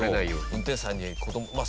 運転手さんにまあ